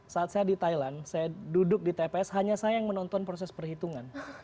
saat saya di thailand saya duduk di tps hanya saya yang menonton proses perhitungan